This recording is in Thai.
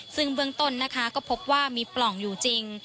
ซึ่งเบื้องต้นนะคะก็พบว่ามีปล่องอยู่จริง